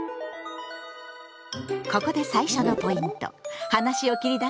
ここで最初のポイント。